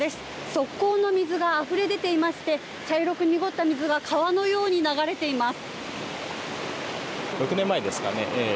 側溝の水があふれ出ていまして茶色く濁った水が川のように流れています。